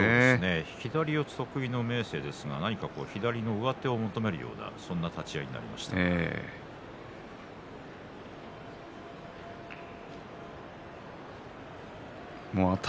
左四つ得意の明生ですけど左の上手を求めるような立ち合いになりました。